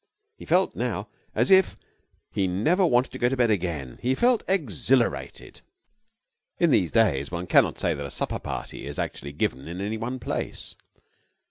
He felt now as if he never wanted to go to bed again. He felt exhilarated. In these days one cannot say that a supper party is actually given in any one place.